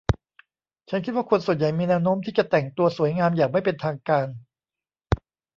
ฉันคิดว่าคนส่วนใหญ่มีแนวโน้มที่จะแต่งตัวสวยงามอย่างไม่เป็นทางการ